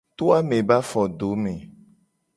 To ame be afodome.